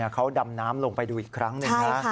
เขาดำน้ำลงไปดูอีกครั้งหนึ่งนะ